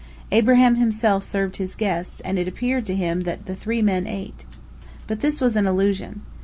Abraham himself served his guests, and it appeared to him that the three men ate. But this was an illusion.